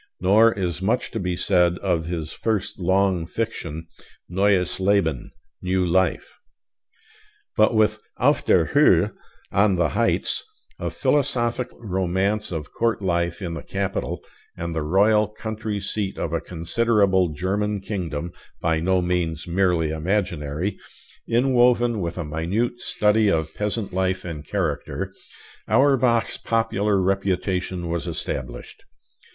Nor is much to be said of his first long fiction, 'Neues Leben' (New Life). But with 'Auf der Höhe' (On the Heights), a philosophic romance of court life in the capital and the royal country seat of a considerable German kingdom (by no means merely imaginary), inwoven with a minute study of peasant life and character, Auerbach's popular reputation was established.